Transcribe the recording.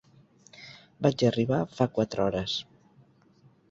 Vaig arribar fa quatre hores.